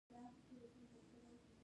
کېچ اخیستل ډېر مهارت غواړي.